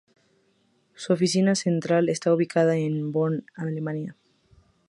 Su oficina central está ubicada en Bonn, Alemania.